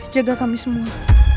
jaga kami semua